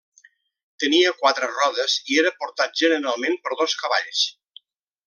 Tenia quatre rodes i era portat generalment per dos cavalls.